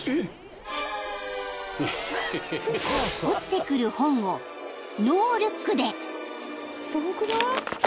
［落ちてくる本をノールックで］